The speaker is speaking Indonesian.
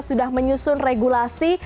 sudah menyusun regulasi